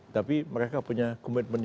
tapi mereka punya komitmen yang tinggi